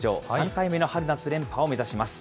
３回目の春夏連覇を目指します。